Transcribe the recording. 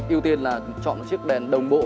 yêu tiên là chọn chiếc đèn đồng bộ